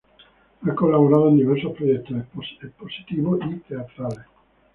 Ha colaborado en diversos proyectos expositivos y teatrales.